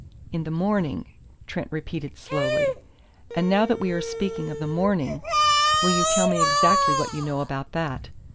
"In the morning," Trent repeated slowly. "And now that we are speaking of the morning, will you tell me exactly what you know about that.